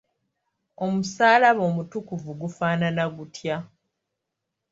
Omusaalaba omutukuvu gufaanana gutya?